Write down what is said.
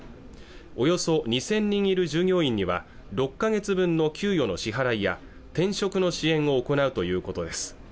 およそ２０００人いる従業員には６か月分の給与の支払いや転職の支援を行うということです